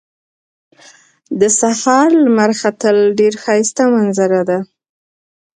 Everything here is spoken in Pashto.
د سهار لمر ختل ډېر ښایسته منظره ده